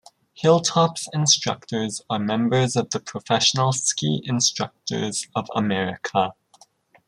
Hilltop's instructors are members of the Professional Ski Instructors of America.